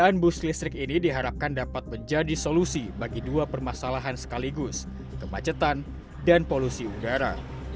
sejak maret dua ribu dua puluh dua listrik ini diharapkan dapat menjadi solusi bagi dua permasalahan sekaligus kemacetan dan polusi udara